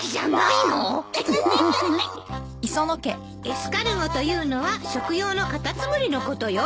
エスカルゴというのは食用のカタツムリのことよ。